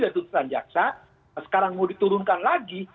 dari putusan jaksa sekarang mau diturunkan lagi